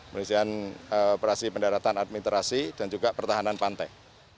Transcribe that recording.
menunjukkan operasi pendaratan administrasi dan juga pertahanan pantai